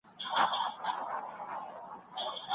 د ورکړې پر وخت ناخوښي مه څرګندوئ.